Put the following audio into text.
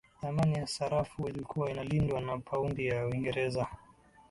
thamani ya sarafu ilikuwa inalindwa na paundi ya uingereza